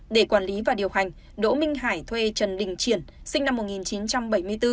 để quản lý và điều hành đỗ minh hải thuê trần đình triển sinh năm một nghìn chín trăm bảy mươi bốn